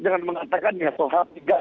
dengan mengatakan ya sohab juga